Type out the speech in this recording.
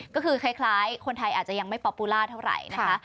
ก็คือคล้ายคนไทยอาจจะยังไม่ป๊อปปูล่าเท่าไหร่นะคะ